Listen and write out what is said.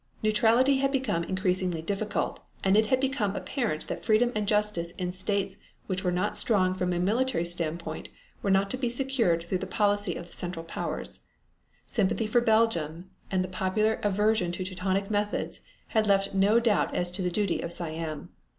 Neutrality had become increasingly difficult, and it had become apparent that freedom and justice in states which were not strong from a military standpoint were not to be secured through the policy of the Central Powers. Sympathy for Belgium and the popular aversion to Teutonic methods had left no doubt as to the duty of Siam.